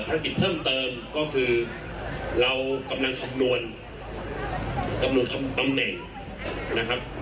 ภารกิจเพิ่มเติมก็คือเรากำลังคำนวณจำนวนตำแหน่งนะครับ